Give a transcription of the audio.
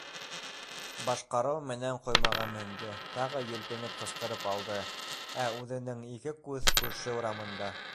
Башҡарыу менән ҡоймаға менде, тағы елпенеп ҡысҡырып алды, ә үҙенең ике күҙ - күрше урамында.